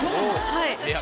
はい。